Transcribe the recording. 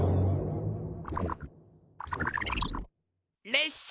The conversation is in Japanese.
れっしゃ。